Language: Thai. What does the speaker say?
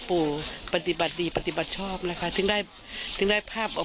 ภอบปฎิบัติดีภอบปฎิบัติชอบ